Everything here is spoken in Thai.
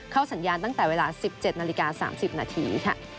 สัญญาณตั้งแต่เวลา๑๗นาฬิกา๓๐นาทีค่ะ